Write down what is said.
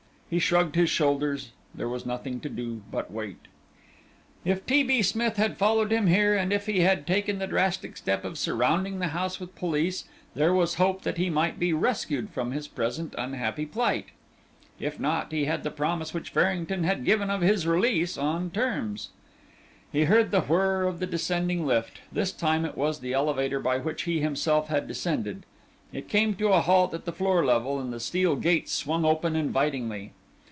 He shrugged his shoulders; there was nothing to do but wait. If T. B. Smith had followed him here, and if he had taken the drastic step of surrounding the house with police, there was hope that he might be rescued from his present unhappy plight. If not, he had the promise which Farrington had given of his release on terms. He heard the whirr of the descending lift; this time it was the elevator by which he himself had descended. It came to a halt at the floor level and the steel gates swung open invitingly.